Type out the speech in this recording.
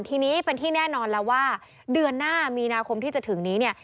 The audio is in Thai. ทีนี้เป็นที่แน่นอนแล้วว่าเดือนหน้ามีนาคมที่จะถึงนี้เนี่ย